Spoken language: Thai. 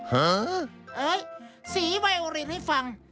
หึเอ๊ะสีไว้โอลี่นให้ฟัง